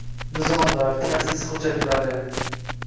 nizomlar, ta’sis hujjatlari